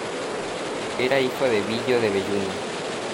Era hijo de Billo de Belluno.